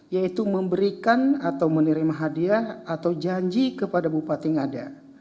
yaitu memberikan atau menerima hadiah atau janji kepada bupati ngada